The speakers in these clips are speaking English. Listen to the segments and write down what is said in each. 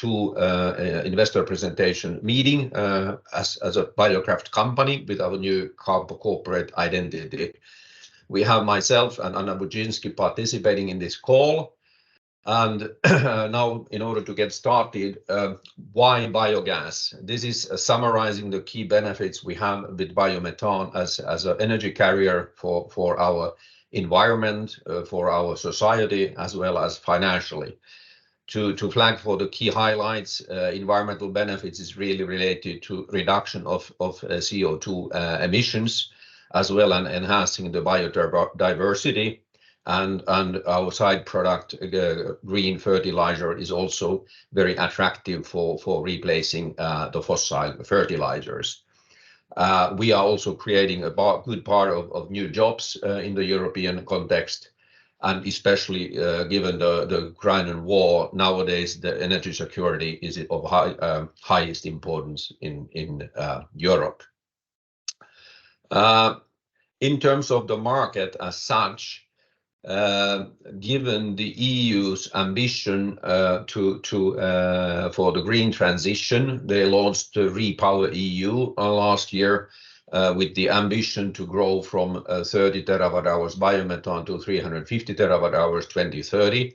to investor presentation meeting as a Biokraft company with our new corporate identity. We have myself and Anna Budzynski participating in this call. Now, in order to get started, why biogas? This is summarizing the key benefits we have with biomethane as an energy carrier for our environment, for our society, as well as financially. To flag for the key highlights, environmental benefits is really related to reduction of CO2 emissions, as well as enhancing the biodiversity. Our side product, the green fertilizer, is also very attractive for replacing the fossil fertilizers. We are also creating a good part of new jobs in the European context, and especially, given the Ukrainian war, nowadays, the energy security is of high highest importance in Europe. In terms of the market as such, given the EU's ambition to for the green transition, they launched the REPowerEU last year with the ambition to grow from 30 TWh biomethane to 350 TWh by 2030.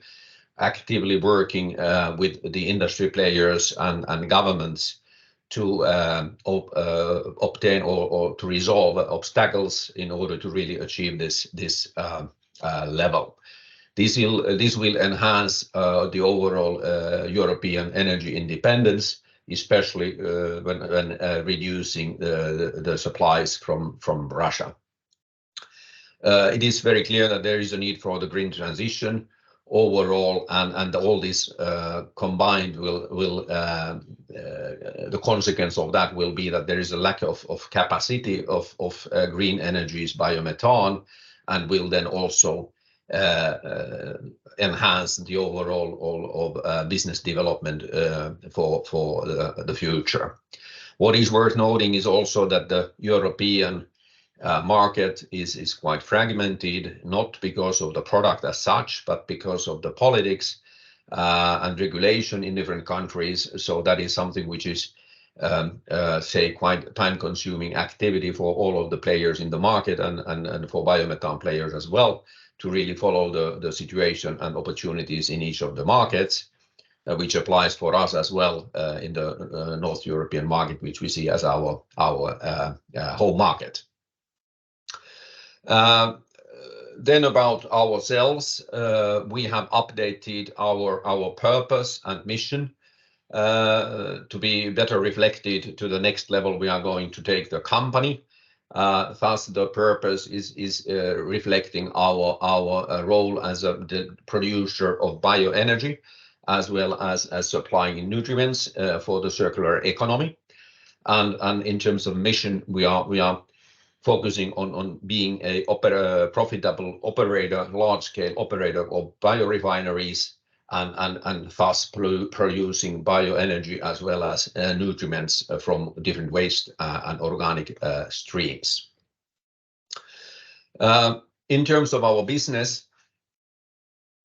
Actively working with the industry players and governments to obtain or to resolve obstacles in order to really achieve this level. This will enhance the overall European energy independence, especially when reducing the supplies from Russia. It is very clear that there is a need for the green transition overall, and all this combined will. The consequence of that will be that there is a lack of capacity of green energies, biomethane, and will then also enhance all of business development for the future. What is worth noting is also that the European market is quite fragmented, not because of the product as such, but because of the politics and regulation in different countries. That is something which is, say, quite time-consuming activity for all of the players in the market and for biomethane players as well, to really follow the situation and opportunities in each of the markets. Which applies for us as well, in the North European market, which we see as our home market. About ourselves, we have updated our purpose and mission to be better reflected to the next level we are going to take the company. Thus, the purpose is reflecting our role as a producer of bioenergy, as well as supplying nutrients for the circular economy. In terms of mission, we are focusing on being a profitable operator, large-scale operator of biorefineries and thus producing bioenergy as well as nutrients from different waste and organic streams. In terms of our business,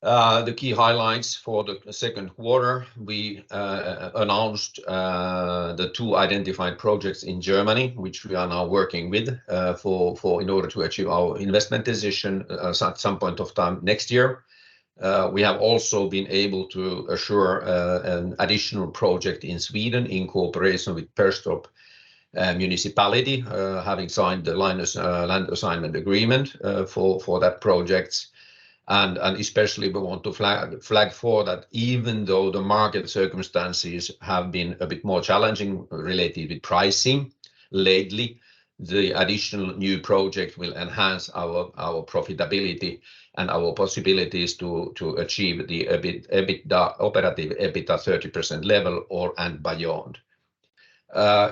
the key highlights for the 2Q, we announced the two identified projects in Germany, which we are now working with in order to achieve our investment decision at some point of time next year. We have also been able to assure an additional project in Sweden in cooperation with Perstorp Municipality, having signed the land assignment agreement for that project. Especially, we want to flag for that even though the market circumstances have been a bit more challenging related with pricing lately, the additional new project will enhance our profitability and our possibilities to achieve the EBIT, EBITDA, Operative EBITDA 30% level or beyond.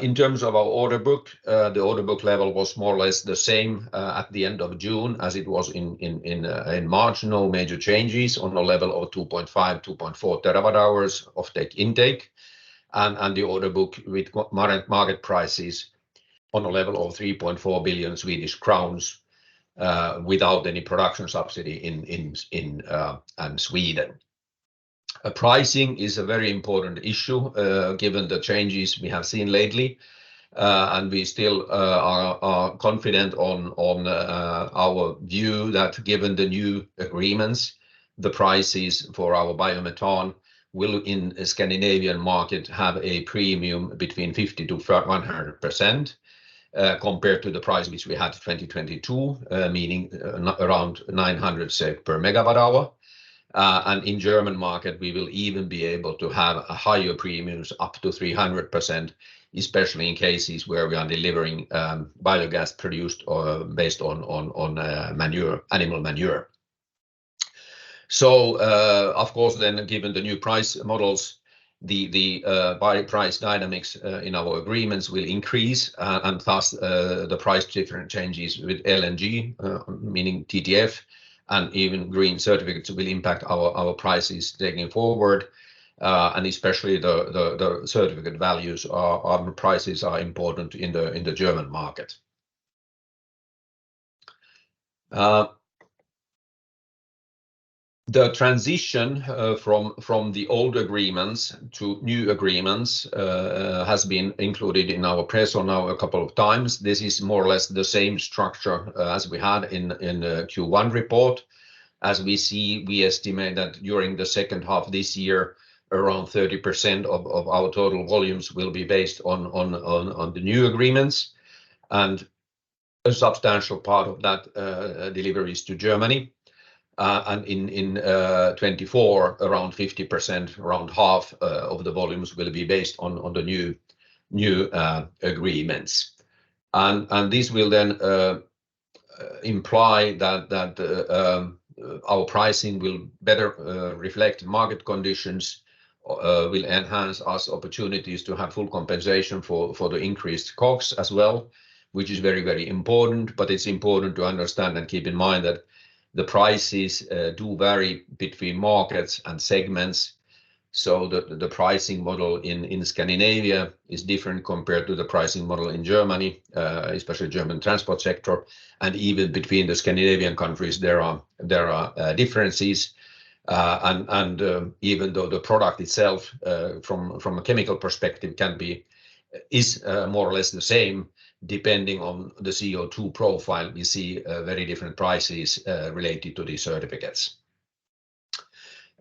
In terms of our order book, the order book level was more or less the same at the end of June as it was in March. No major changes on a level of 2.5-2.4 TWh of take intake. The order book with market prices on a level of 3.4 billion Swedish crowns, without any production subsidy in Sweden. Pricing is a very important issue, given the changes we have seen lately. We still are confident on our view that given the new agreements, the prices for our biomethane will, in the Scandinavian market, have a premium between 50%-100%, compared to the price which we had in 2022, meaning around 900 per megawatt hour. In German market, we will even be able to have a higher premiums up to 300%, especially in cases where we are delivering biogas produced based on manure, animal manure. Of course, then, given the new price models, the by price dynamics in our agreements will increase, and thus, the price different changes with LNG, meaning TTF and even green certificates will impact our prices taking forward. Especially the certificate values are prices are important in the German market. The transition from the old agreements to new agreements has been included in our press or now a couple of times. This is more or less the same structure as we had in the Q1 report. As we see, we estimate that during the second half of this year, around 30% of our total volumes will be based on the new agreements. A substantial part of that deliveries to Germany, and in 2024, around 50%, around half of the volumes will be based on the new agreements. This will then imply that our pricing will better reflect market conditions, will enhance us opportunities to have full compensation for the increased costs as well, which is very, very important. It's important to understand and keep in mind that the prices do vary between markets and segments, so the pricing model in Scandinavia is different compared to the pricing model in Germany, especially German transport sector, and even between the Scandinavian countries, there are differences. Even though the product itself, from a chemical perspective can be... is more or less the same, depending on the CO2 profile, we see very different prices related to these certificates.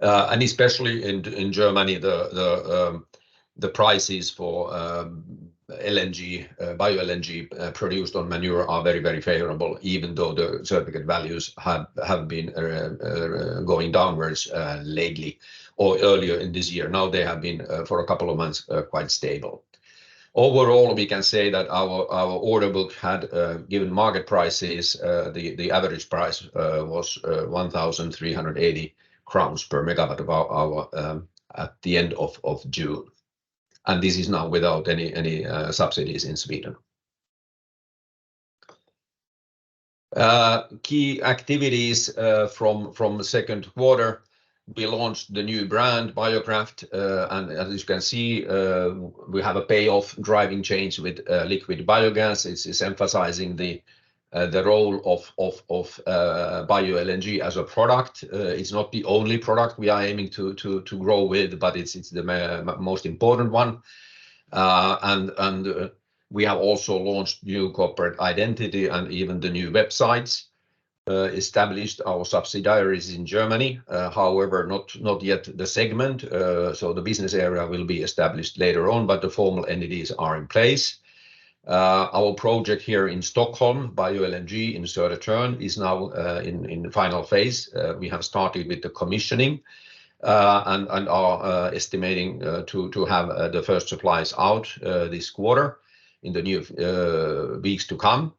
Especially in Germany, the prices for LNG, Bio-LNG produced on manure are very, very favorable, even though the certificate values have been going downwards lately or earlier in this year. Now, they have been for a couple of months quite stable. Overall, we can say that our order book had given market prices, the average price was 1,380 crowns per megawatt hour at the end of June, and this is now without any subsidies in Sweden. Key activities from the second quarter, we launched the new brand Biokraft. As you can see, we have a payoff driving change with liquid biogas. It's emphasizing the role of Bio-LNG as a product. It's not the only product we are aiming to grow with, but it's the most important one. We have also launched new corporate identity and even the new websites, established our subsidiaries in Germany. However, not yet the segment, so the business area will be established later on, but the formal entities are in place. Our project here in Stockholm Bio-LNG in Södertörn is now in the final phase. We have started with the commissioning and are estimating to have the first supplies out this quarter in the new weeks to come.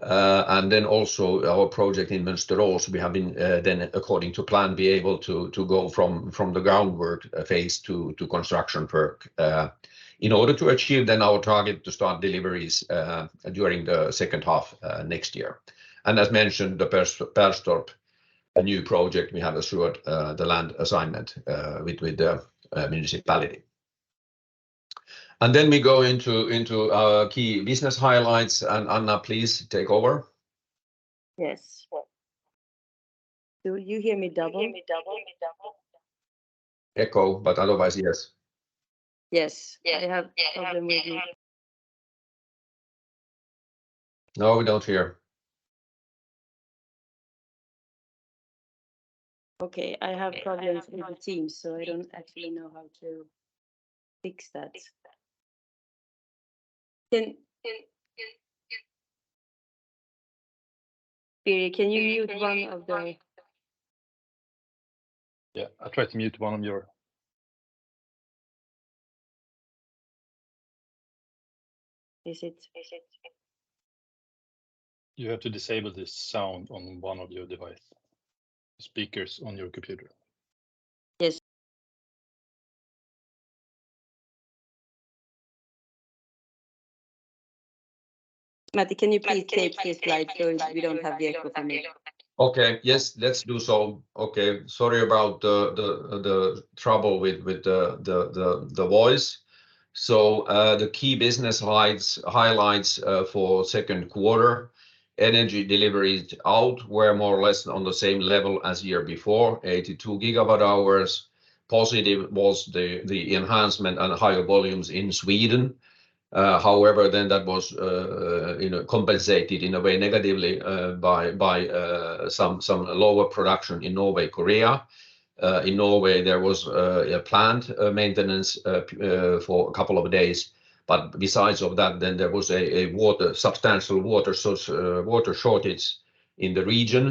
Also our project in Mönsterås, we have been then according to plan, be able to go from the groundwork phase to construction work in order to achieve then our target to start deliveries during the second half next year. As mentioned, the Perstorp, a new project, we have assured the land assignment with the municipality. We go into our key business highlights. Anna, please take over. Yes. Do you hear me double? Echo, but otherwise, yes. Yes. I have problem with the-. No, we don't hear. Okay. I have problems with the Teams, so I don't actually know how to fix that. Can you mute one of the- Yeah, I tried to mute one of your- Is it? You have to disable the sound on one of your device, speakers on your computer. Yes. Matti, can you please take this slide so we don't have the echo for me? Okay. Yes, let's do so. Okay, sorry about the trouble with the voice. The key business highlights for second quarter, energy deliveries out were more or less on the same level as year before, 82 GWh. Positive was the enhancement and higher volumes in Sweden. However, that was, you know, compensated in a way negatively by some lower production in Norway, Korea. In Norway, there was a planned maintenance for a couple of days. Besides of that, there was a substantial water source, water shortage in the region,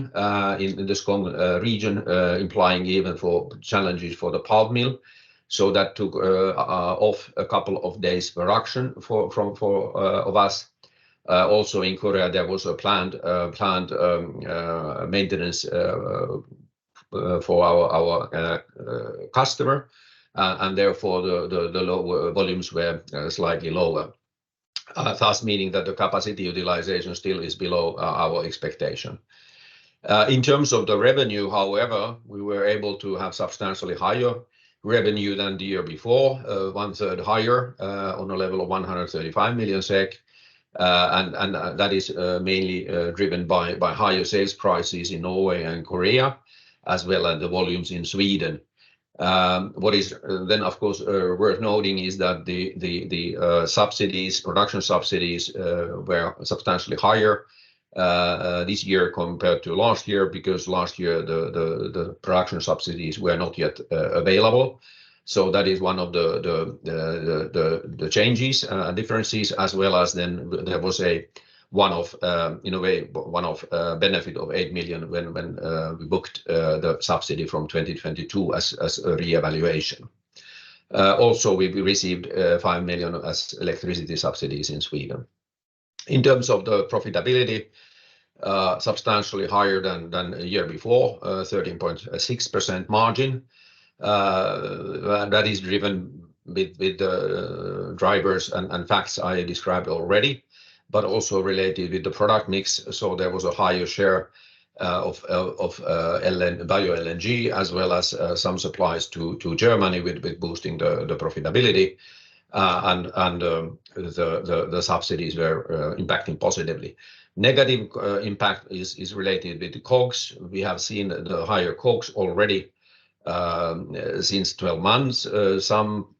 in the Skogn region, implying even for challenges for the palm oil. That took off a couple of days production for us. re was a planned maintenance for our customer, and therefore, the lower volumes were slightly lower. Thus, meaning that the capacity utilization still is below our expectation. In terms of the revenue, however, we were able to have substantially higher revenue than the year before, one third higher, on a level of 135 million SEK. That is mainly driven by higher sales prices in Norway and Korea, as well as the volumes in Sweden. What is then, of course, worth noting is that the subsidies, production subsidies, were substantially higher this year compared to last year, because last year the production subsidies were not yet available That is one of the changes, differences, as well as then there was a one-off, in a way, one-off benefit of 8 million when we booked the subsidy from 2022 as a reevaluation. Also, we received 5 million as electricity subsidies in Sweden. In terms of the profitability, substantially higher than the year before, 13.6% margin. That is driven with the drivers and facts I described already, but also related with the product mix. There was a higher share of Bio-LNG, as well as some supplies to Germany with boosting the profitability. The subsidies were impacting positively. Negative impact is related with the COGS. We have seen the higher COGS already since 12 months. Some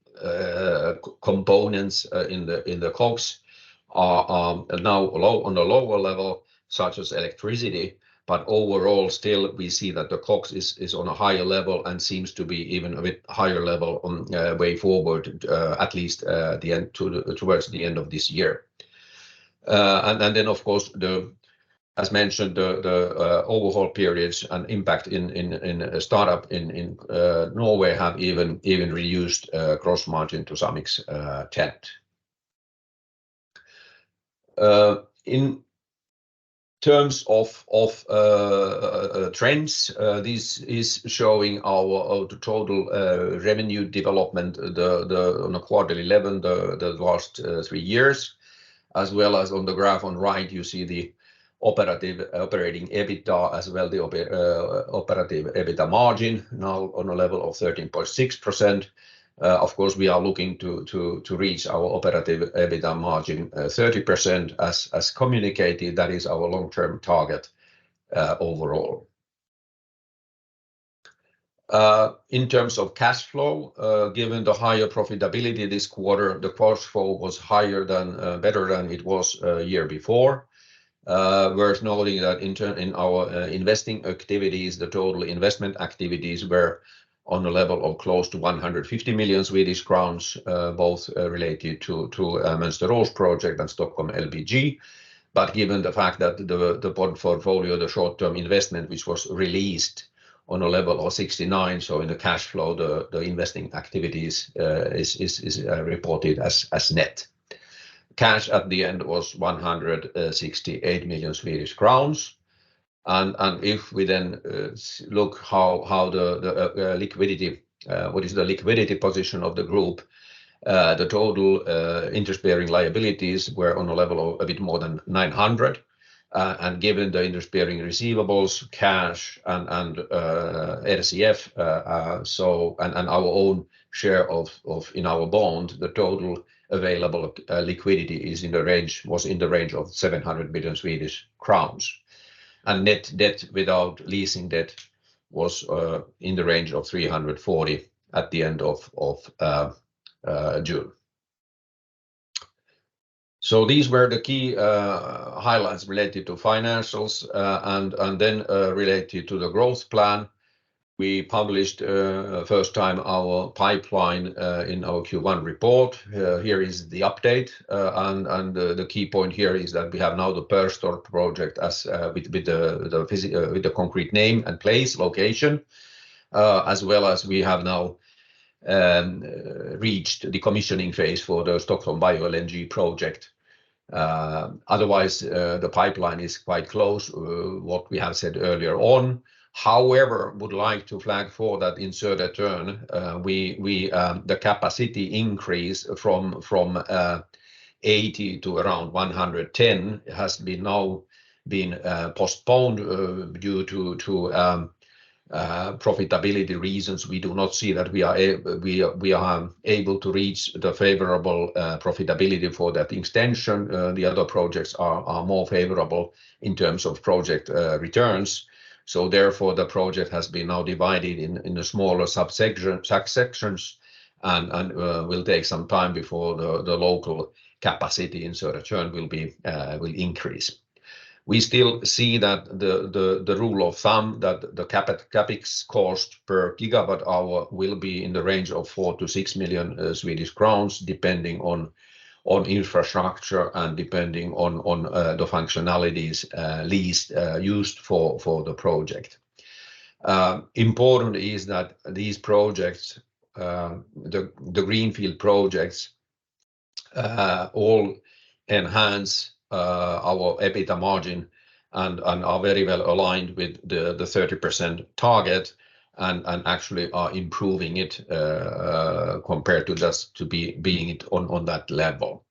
components in the COGS are now on a lower level, such as electricity. Overall, still, we see that the COGS is on a higher level and seems to be even a bit higher level on way forward at least at the end towards the end of this year. Of course, As mentioned, the overhaul periods and impact in startup in Norway have even reused gross margin to some extent. In terms of trends, this is showing our total revenue development, the on a quarterly level, the last three years, as well as on the graph on right, you see the operative operating EBITDA as well, Operative EBITDA margin now on a level of 13.6%. Of course, we are looking to reach our Operative EBITDA margin, 30%. As communicated, that is our long-term target overall. In terms of cash flow, given the higher profitability this quarter, the cash flow was higher than, better than it was, the year before. Worth noting that in turn, in our investing activities, the total investment activities were on a level of close to 150 million Swedish crowns, both related to Mönsterås project and Stockholm LBG. Given the fact that the port portfolio, the short-term investment, which was released on a level of 69 million, in the cash flow, the investing activities is reported as net. Cash at the end was 168 million Swedish crowns. If we look how the liquidity, what is the liquidity position of the group, the total interest-bearing liabilities were on a level of a bit more than 900 million. Given the interest-bearing receivables, cash, and RCF, and our own share of in our bond, the total available liquidity was in the range of 700 million Swedish crowns. Net debt without leasing debt was in the range of 340 million at the end of June. These were the key highlights related to financials. Related to the growth plan, we published first time our pipeline in our Q1 report. Here is the update. The key point here is that we have now the Perstorp project as with the concrete name and place, location. As well as we have now reached the commissioning phase for the Stockholm Bio-LNG project. Otherwise, the pipeline is quite close, what we have said earlier on. Would like to flag for that in Södertörn, the capacity increase from 80 to around 110 has now been postponed due to profitability reasons. We do not see that we are able to reach the favorable profitability for that extension. The other projects are more favorable in terms of project returns. Therefore, the project has been now divided in a smaller subsection and will take some time before the local capacity in Södertörn will increase. We still see that the rule of thumb, that the CapEx cost per gigawatt hour will be in the range of 4 million-6 million Swedish crowns, depending on infrastructure and depending on the functionalities least used for the project. Important is that these projects, the greenfield projects, all enhance our EBITDA margin and are very well aligned with the 30% target and actually are improving it compared to just being it on that level.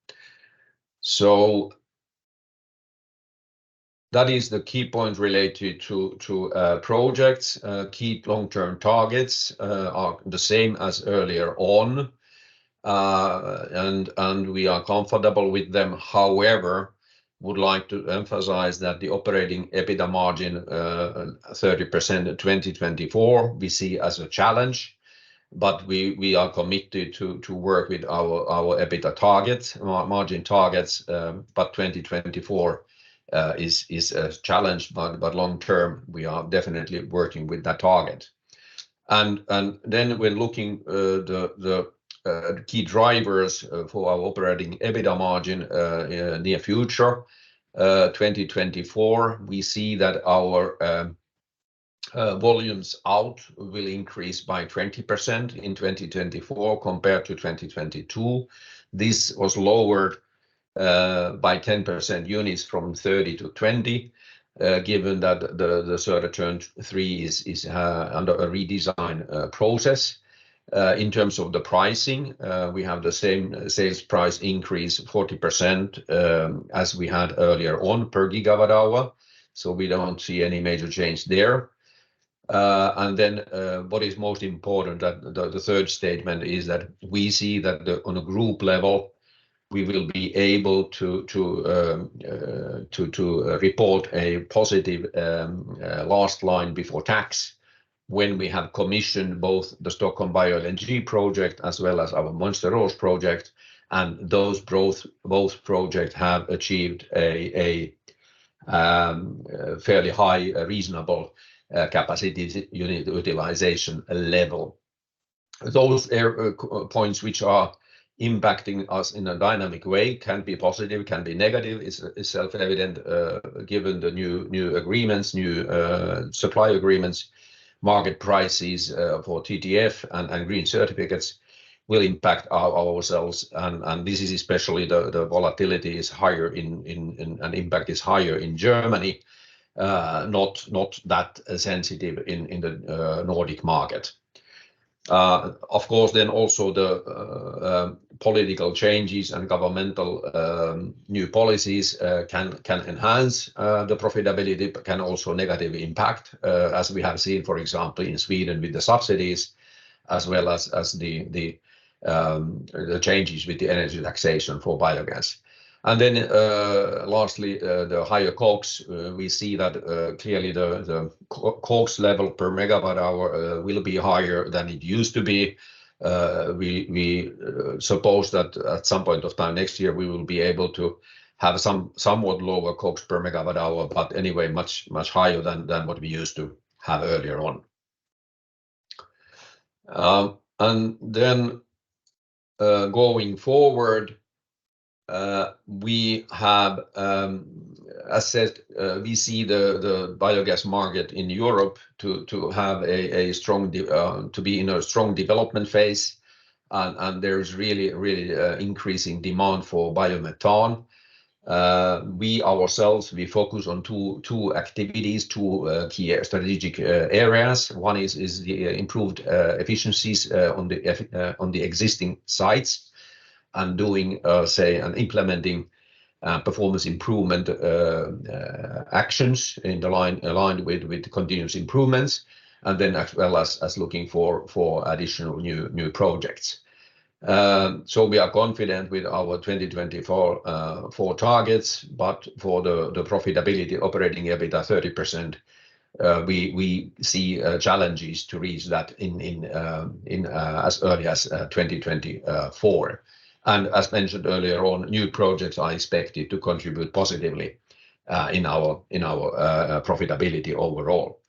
That is the key point related to projects. Key long-term targets are the same as earlier on, and we are comfortable with them. would like to emphasize that the Operative EBITDA margin, 30% in 2024, we see as a challenge, but we are committed to work with our EBITDA targets, margin targets. 2024 is a challenge. Long term, we are definitely working with that target. We're looking, the key drivers for our Operative EBITDA margin in near future. 2024, we see that our volumes out will increase by 20% in 2024 compared to 2022. This was lowered by 10% units from 30 to 20, given that the Södertörn 3 is under a redesign process. In terms of the pricing, we have the same sales price increase, 40%, as we had earlier on per gigawatt hour, we don't see any major change there. Then, what is most important, that the third statement is that we see that on a group level, we will be able to report a positive last line before tax when we have commissioned both the Stockholm Bio-LNG project as well as our Mönsterås project. Those both projects have achieved a fairly high, reasonable capacity unit utilization level. Those points which are impacting us in a dynamic way can be positive, can be negative, is self-evident given the new agreements, supply agreements, market prices for TTF and green certificates will impact ourselves. This is especially the volatility is higher and impact is higher in Germany. Not that sensitive in the Nordic market. Of course, also the political changes and governmental new policies can enhance the profitability, but can also negatively impact as we have seen, for example, in Sweden with the subsidies, as well as the changes with the energy taxation for biogas. Lastly, the higher COGS. We see that clearly the COGS level per megawatt hour will be higher than it used to be. We suppose that at some point of time next year, we will be able to have somewhat lower COGS per megawatt hour, but anyway, much higher than what we used to have earlier on. Then going forward, we have assessed, we see the biogas market in Europe to have a strong development phase. There is really increasing demand for biomethane. We ourselves, we focus on two activities, two key strategic areas. One is the improved efficiencies on the existing sites and doing, say, and implementing performance improvement actions in the line aligned with continuous improvements, and then as well as looking for additional new projects. We are confident with our 2024 four targets, but for the profitability operating EBITDA 30%, we see challenges to reach that in as early as 2024. As mentioned earlier on, new projects are expected to contribute positively in our profitability overall.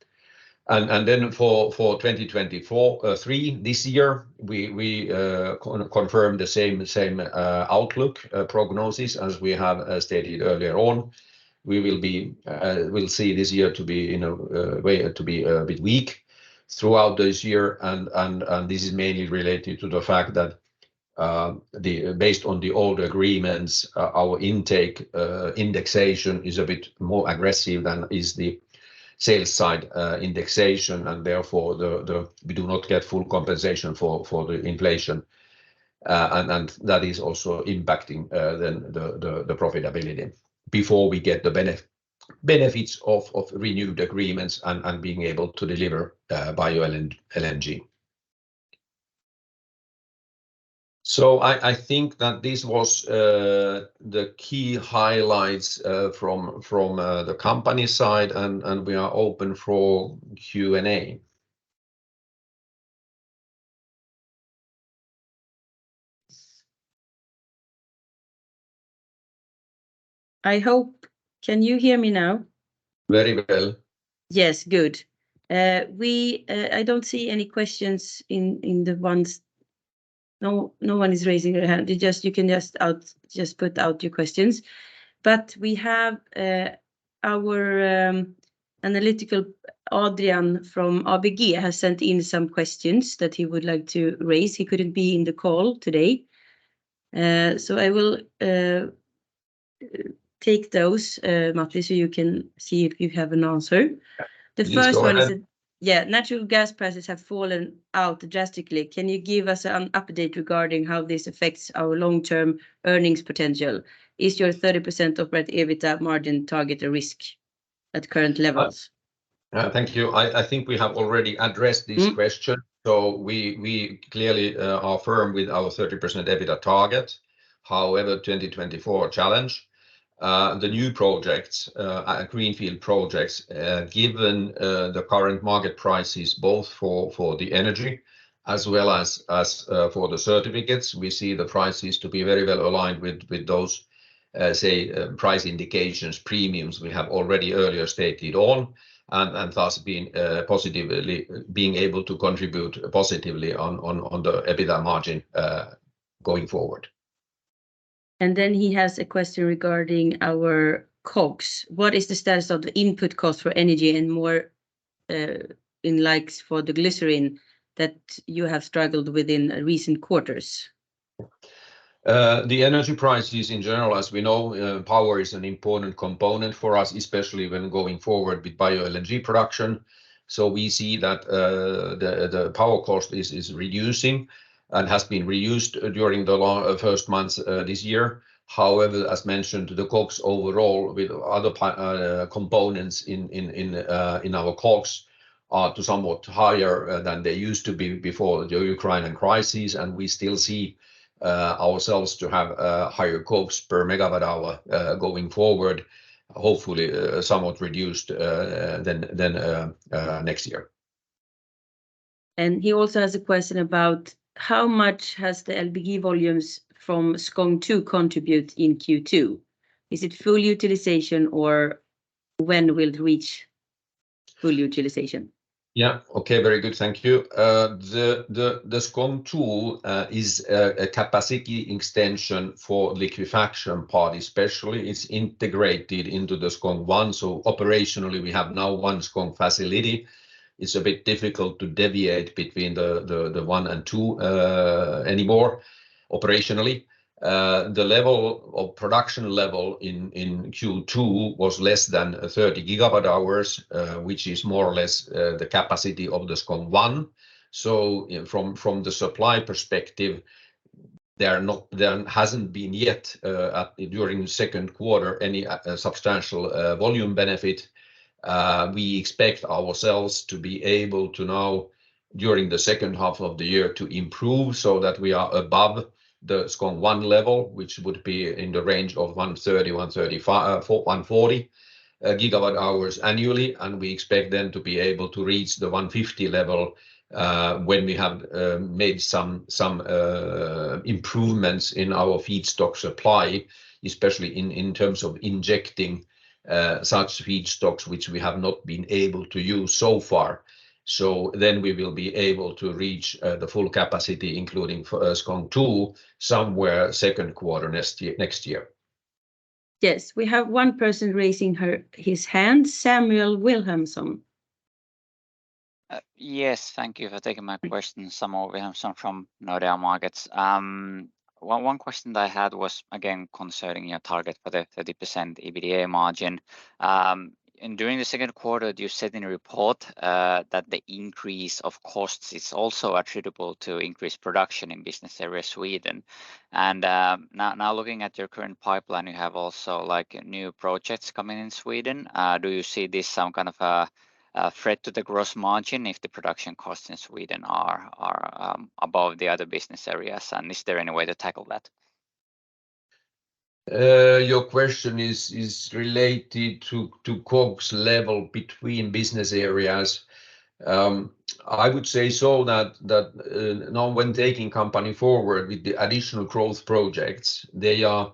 For 2023, this year, we confirm the same outlook prognosis as we have stated earlier on. We will be, we'll see this year to be in a way, to be a bit weak throughout this year, and this is mainly related to the fact that based on the old agreements, our intake indexation is a bit more aggressive than is the sales side indexation, and therefore, we do not get full compensation for the inflation. That is also impacting the profitability before we get the benefits of renewed agreements and being able to deliver Bio-LNG. I think that this was the key highlights from the company side, and we are open for Q&A. Can you hear me now? Very well. Yes, good. We, I don't see any questions in the ones. No, no one is raising their hand. You can just put out your questions. We have our analytical, Adrian from ABG, has sent in some questions that he would like to raise. He couldn't be in the call today, so I will take those, Matti, so you can see if you have an answer. Yeah, please go ahead. The first one is Yeah, natural gas prices have fallen out drastically. Can you give us an update regarding how this affects our long-term earnings potential? Is your 30% operating EBITDA margin target a risk at current levels? Thank you. I think we have already addressed this question. We clearly are firm with our 30% EBITDA target. However, 2024 a challenge. The new projects at Greenfield projects, given the current market prices, both for the energy as well as for the certificates, we see the prices to be very well aligned with those say price indications, premiums we have already earlier stated on, and thus being positively being able to contribute positively on the EBITDA margin going forward. He has a question regarding our COGS. What is the status of the input cost for energy and more, in likes for the glycerin that you have struggled with in recent quarters? The energy prices in general, as we know, power is an important component for us, especially when going forward with Bio-LNG production. We see that the power cost is reducing and has been reduced during the long first months this year. However, as mentioned, the COGS overall with other components in our COGS are to somewhat higher than they used to be before the Ukrainian crisis. We still see ourselves to have higher COGS per megawatt hour going forward. Hopefully, somewhat reduced than next year. He also has a question about: How much has the LBG volumes from Skogn 2 contribute in Q2? Is it full utilization, or when will it reach full utilization? Yeah. Okay, very good, thank you. The Skogn 2 is a capacity extension for liquefaction part, especially. It's integrated into the Skogn 1, so operationally we have now one Skogn facility. It's a bit difficult to deviate between the 1 and 2 anymore, operationally. The level of production level in Q2 was less than 30 GWh, which is more or less the capacity of the Skogn 1. From the supply perspective, there hasn't been yet during the second quarter, any substantial volume benefit. We expect ourselves to be able to now, during the second half of the year, to improve so that we are above the Skogn 1 level, which would be in the range of 130-140 GWh annually. We expect then to be able to reach the 150 GWh level, when we have made some improvements in our feedstock supply, especially in terms of injecting such feedstocks, which we have not been able to use so far. We will be able to reach the full capacity, including for Skogn 2, somewhere second quarter next year. Yes, we have one person raising her, his hand, Samuel Wilhelmsson. Yes, thank you for taking my question. Samuel Wilhelmsson from Nordea Markets. One question that I had was, again, concerning your target for the 30% EBITDA margin. During the second quarter, you said in a report, that the increase of costs is also attributable to increased production in business area Sweden. Now looking at your current pipeline, you have also, like, new projects coming in Sweden. Do you see this some kind of a threat to the gross margin if the production costs in Sweden are above the other business areas? Is there any way to tackle that? Your question is related to COGS level between business areas. I would say so, that now when taking company forward with the additional growth projects, they are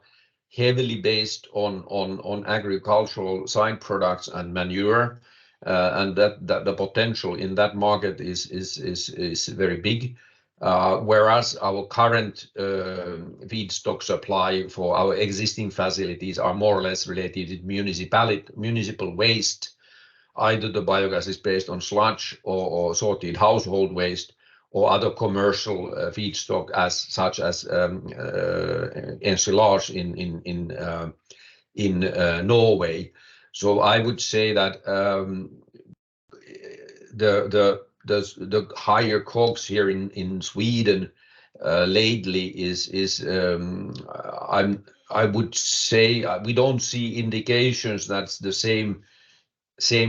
heavily based on agricultural side products and manure, and that the potential in that market is very big. Whereas our current feedstock supply for our existing facilities are more or less related to municipal waste. Either the biogas is based on sludge or sorted household waste or other commercial feedstock as such as silage in Norway. I would say that the higher COGS here in Sweden lately is... I would say we don't see indications that the same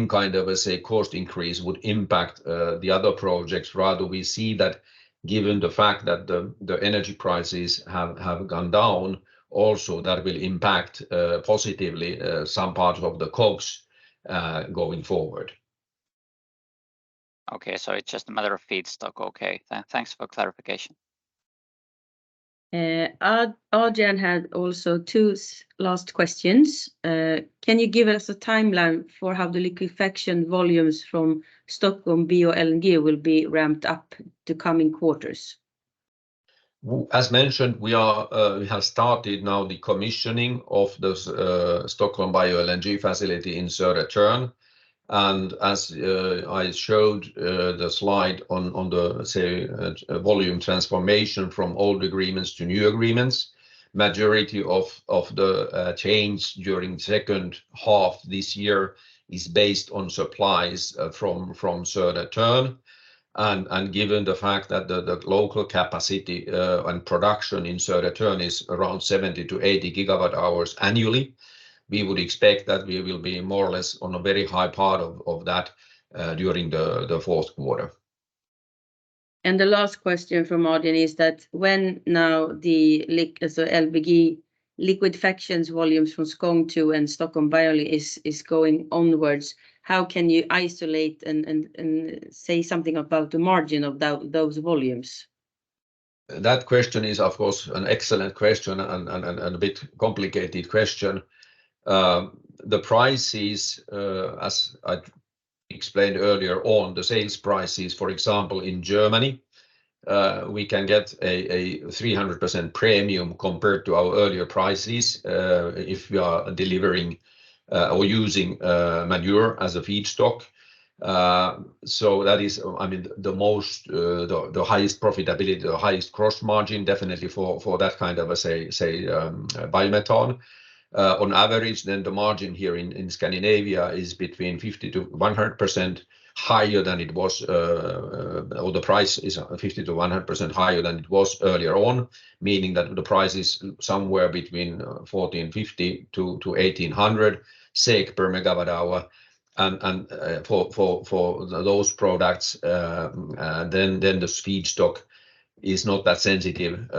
kind of, let's say, cost increase would impact the other projects. We see that given the fact that the energy prices have gone down, also that will impact positively some parts of the COGS going forward. Okay, it's just a matter of feedstock. Okay. Thanks for clarification. Adrian had also two last questions. Can you give us a timeline for how the liquefaction volumes from Stockholm Bio-LNG will be ramped up the coming quarters? As mentioned, we are, we have started now the commissioning of the Stockholm Bio-LNG facility in Södertörn. As I showed the slide on the, say, volume transformation from old agreements to new agreements, majority of the change during second half this year is based on supplies from Södertörn. Given the fact that the local capacity and production in Södertörn is around 70-80 GWh annually, we would expect that we will be more or less on a very high part of that during the fourth quarter. The last question from Odin is that when now the so LBG liquid fractions volumes from Skåne to and Stockholm Bio is going onwards, how can you isolate and say something about the margin of those volumes? That question is, of course, an excellent question and a bit complicated question. The prices, as I explained earlier on, the sales prices, for example, in Germany, we can get a 300% premium compared to our earlier prices, if we are delivering or using manure as a feedstock. That is, I mean, the most, the highest profitability or highest gross margin definitely for that kind of biomethane. On average, then the margin here in Scandinavia is between 50% to 100% higher than it was, or the price is 50% to 100% higher than it was earlier on, meaning that the price is somewhere between 1,450-1,800 SEK per megawatt hour. For those products, the feedstock is not that sensitive.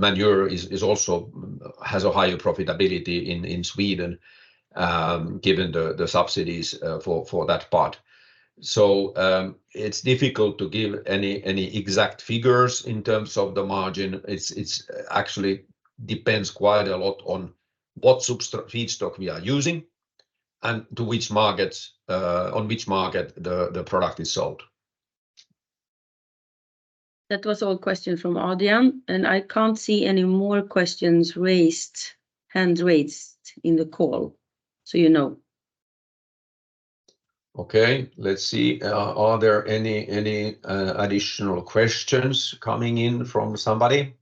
Manure is also has a higher profitability in Sweden, given the subsidies for that part. It's difficult to give any exact figures in terms of the margin. It actually depends quite a lot on what feedstock we are using and to which markets, on which market the product is sold. That was all question from Odin, and I can't see any more questions raised, hands raised in the call, so you know. Okay, let's see. Are there any additional questions coming in from somebody?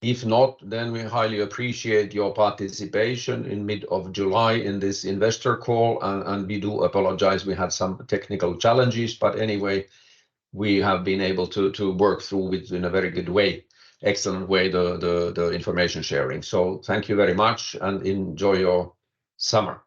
If not, we highly appreciate your participation in mid of July in this investor call, and we do apologize we had some technical challenges. Anyway, we have been able to work through it in a very good way, excellent way, the information sharing. Thank you very much, and enjoy your summer.